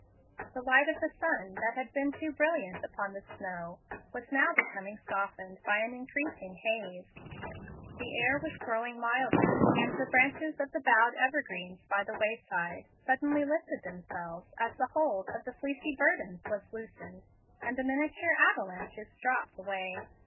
The light of the sun, that had been too brilliant upon the snow, was now becoming softened by an increasing haze. The air was growing milder, and the branches of bowed evergreens by the wayside suddenly lifted themselves as the hold of the fleecy burdens was loosened, and the miniature avalanches dropped away.